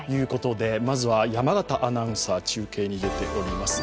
まずは山形アナウンサー、中継に出ております。